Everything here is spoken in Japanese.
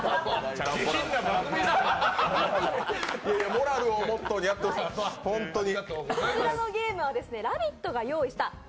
モラルをモットーにやっております、本当に。